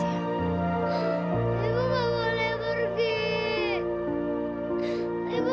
ibu nggak boleh pergi